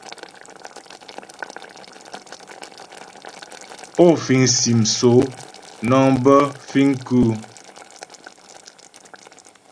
Ó fìŋ sim sóó nəŋ bə fìŋ kʉ́ʉ ?